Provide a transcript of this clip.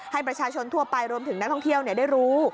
ให้ประชาชนทั่วไปรวมถึงนักท่องเที่ยวได้รู้